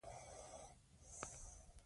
هغه د جنګ جګړو د برعکس ځان ژغوري.